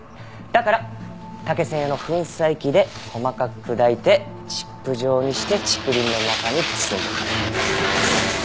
だから竹専用の粉砕機で細かく砕いてチップ状にして竹林の中に積んでおく。